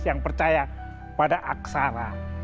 yang percaya pada aksara